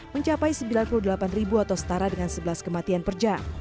mencapai sembilan puluh delapan ribu atau setara dengan sebelas kematian per jam